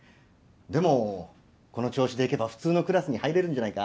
でもこの調子でいけば普通のクラスに入れるんじゃないか？